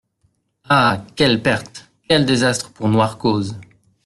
Ah ! quelle perte ! quel désastre pour noire cause !